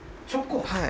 はい。